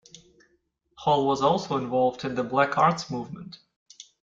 Hall was also involved in the Black Arts Movement.